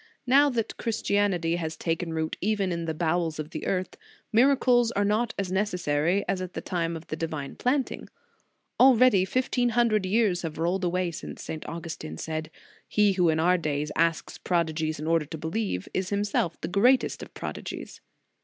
Now that Christianity has taken root even in the bowels of the earth, miracles are not as necessary as at the time of the divine planting. Already fifteen hun dred years have rolled away since St. Augustin said: "He who in our days asks prodigies in order to believe, is himself the greatest of prodigies.